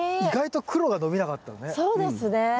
意外と黒が伸びなかったのね。